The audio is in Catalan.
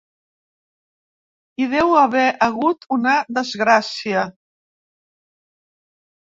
Hi deu haver hagut una desgràcia!